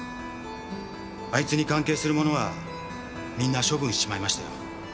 あいつに関係するものはみんな処分しちまいましたよ。